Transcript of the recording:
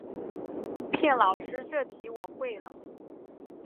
骗老师这题我会了